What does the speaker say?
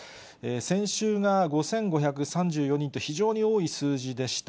先週が５５３４人と、非常に多い数字でした。